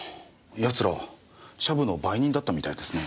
奴らシャブの売人だったみたいですね。